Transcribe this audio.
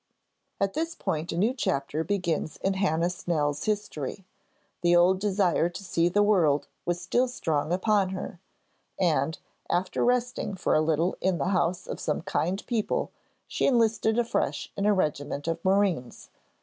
At this point a new chapter begins in Hannah Snell's history. The old desire to see the world was still strong upon her, and, after resting for a little in the house of some kind people, she enlisted afresh in a regiment of marines.